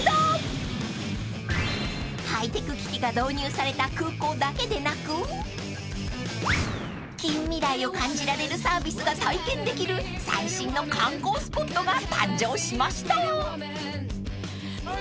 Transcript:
［ハイテク機器が導入された空港だけでなく近未来を感じられるサービスが体験できる最新の観光スポットが誕生しました］